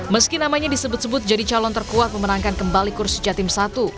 meski namanya disebut sebut jadi calon terkuat memenangkan kembali kursi jatim i